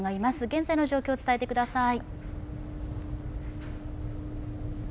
現在の状況を伝えてください。